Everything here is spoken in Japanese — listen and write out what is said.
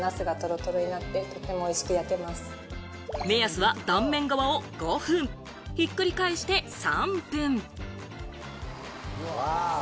目安は断面側を５分、ひっくり返して３分。